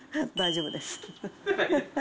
大丈夫です。